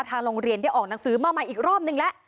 ทางโรงเรียนได้ออกหนังสือมาใหม่อีกรอบนึงแล้ว